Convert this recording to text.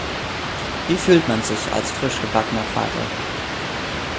Wie fühlt man sich als frisch gebackener Vater?